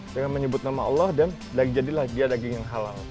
dengan menyebut nama allah dan daging jadilah dia daging yang halal